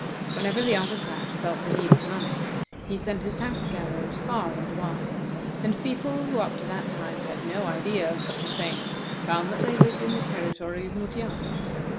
Whenever the Autocrat felt the need of money, he sent his tax gatherers far and wide, and people who up to that time had no idea of such a thing found that they lived in the territory of Mutjado.